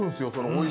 おい！